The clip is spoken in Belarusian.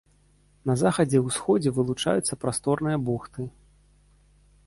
На захадзе і ўсходзе вылучаюцца прасторныя бухты.